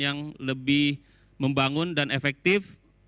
yang lebih membangun dan efektif